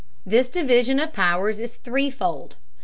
] This division of powers is threefold.